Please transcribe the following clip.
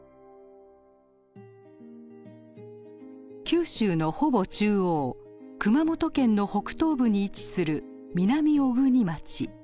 九州のほぼ中央熊本県の北東部に位置する南小国町。